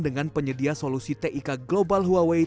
dengan penyedia solusi tik global huawei